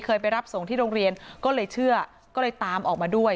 ไปรับส่งที่โรงเรียนก็เลยเชื่อก็เลยตามออกมาด้วย